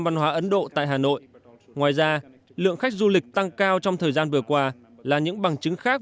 văn hóa ấn độ tại hà nội ngoài ra lượng khách du lịch tăng cao trong thời gian vừa qua là những bằng chứng khác